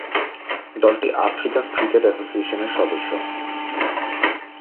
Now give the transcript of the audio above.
দলটি African cricket অ্যাসোসিয়েশনের সদস্য।